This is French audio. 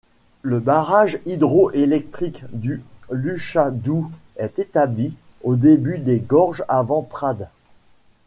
Le barrage hydroélectrique du Luchadou est établi au début des gorges avant Prades.